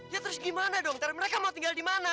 ya terus gimana dokter mereka mau tinggal di mana